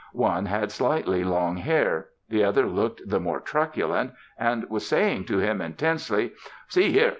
One had slightly long hair. The other looked the more truculent, and was saying to him, intensely, "See here!